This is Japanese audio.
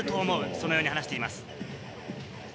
そのように話しています。